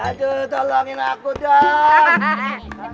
aduh tolongin aku dong